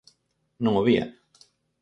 Non o vía.